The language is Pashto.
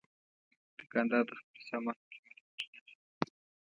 دوکاندار د خپل سامان قیمت پټ نه ساتي.